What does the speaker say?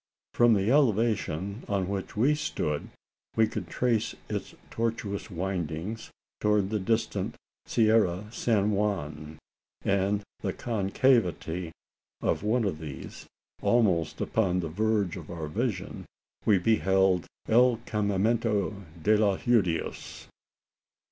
From the elevation on which we stood, we could trace its tortuous windings, towards the distant Sierra of San Juan; and in the concavity of one of these almost upon the verge of our vision we beheld "el campamento de los Judios."